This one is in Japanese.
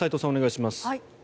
お願いします。